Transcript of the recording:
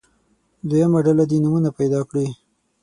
دویمه ډله دې نومونه پیدا کړي.